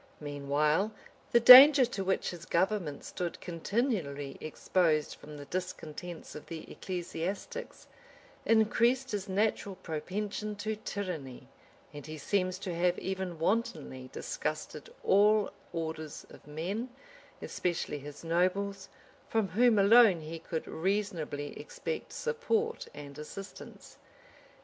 Meanwhile, the danger to which hia government stood continually exposed from the discontents of the ecclesiastics, increased his natural propension to tyranny; and he seems to have even wantonly disgusted all orders of men, especially his nobles, from whom alone he could reasonably expect support and assistance.